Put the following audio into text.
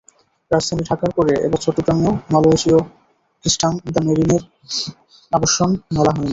রাজধানী ঢাকার পরে এবারে চট্টগ্রামেও মালয়েশীয় প্রতিষ্ঠান দ্য মেরিনের আবাসন মেলা হয়নি।